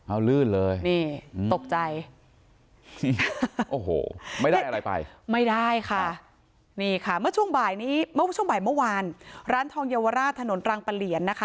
เอาลื่นเลยนี่ตกใจโอ้โหไม่ได้อะไรไปไม่ได้ค่ะนี่ค่ะเมื่อช่วงบ่ายนี้เมื่อช่วงบ่ายเมื่อวานร้านทองเยาวราชถนนรังปะเหลียนนะคะ